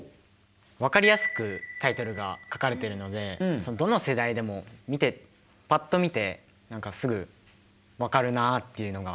分かりやすくタイトルが書かれているのでどの世代でもぱっと見てすぐ分かるなあっていうのが思いました。